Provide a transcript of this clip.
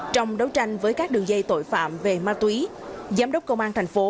trong đấu tranh với các đường dây tội phạm về ma túy giám đốc công an thành phố